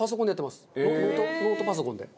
ノートパソコンで。